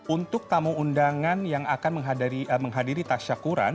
untuk tamu undangan yang akan menghadiri tasya kuran